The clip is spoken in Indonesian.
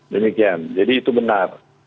demikian jadi itu benar